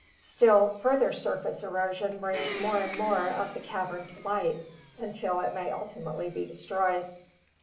Still further surface erosion brings more and more of the cavern to light until it may ultimately be destroyed.